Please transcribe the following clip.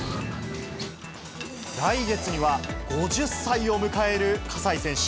来月には、５０歳を迎える葛西選手。